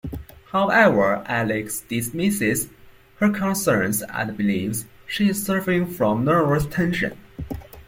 However, Alex dismisses her concerns and believes she is suffering from nervous tension.